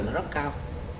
nó rất cao